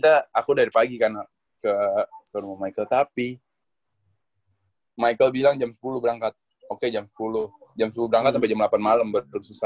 ternyata aku dari pagi kan ke rumah michael tapi michael bilang jam sepuluh berangkat oke jam sepuluh berangkat sampai jam delapan malem buat terus selesai